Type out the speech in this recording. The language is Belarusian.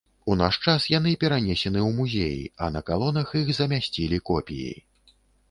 У наш час яны перанесены ў музеі, а на калонах іх замясцілі копіі.